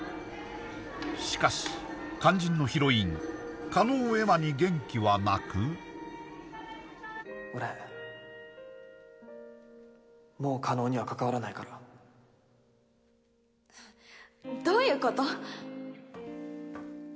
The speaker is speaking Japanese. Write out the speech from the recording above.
しかし肝心のヒロイン叶依麻に元気はなく俺もう叶には関わらないからどういうこと？